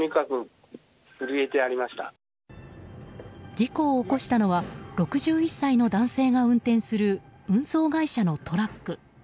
事故を起こしたのは６１歳の男性が運転する運送会社のトラック。